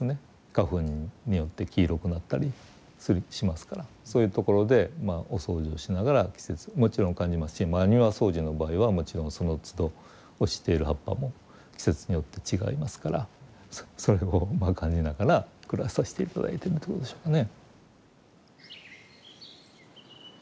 花粉によって黄色くなったりしますからそういうところでお掃除をしながら季節をもちろん感じますし庭掃除の場合はもちろんそのつど落ちている葉っぱも季節によって違いますからそれを感じながら暮らさせて頂いてるということでしょうかね。